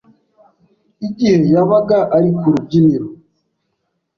igihe yabaga ari ku rubyiniro.